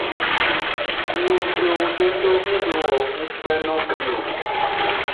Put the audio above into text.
Miwo gbewo dodo nggbe wo ngukpe no mi o.